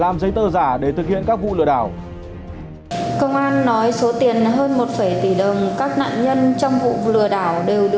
làm giấy tơ giả để thực hiện các vụ lừa đảo